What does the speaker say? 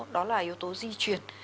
đó là yếu tố di chuyển